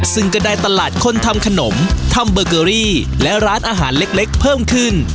ซึ่งก็ได้ตลาดคนทำขนมทำเบอร์เกอรี่และร้านอาหารเล็กเพิ่มขึ้น